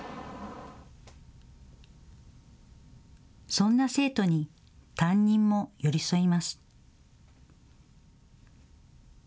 そんな生徒に担任も寄り添います。